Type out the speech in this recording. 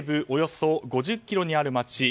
およそ５０ｋｍにある街